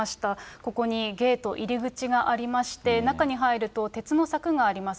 ここにゲート、入り口がありまして、中に入ると鉄の柵があります。